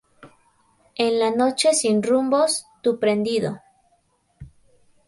En la noche sin rumbos, tu prendido.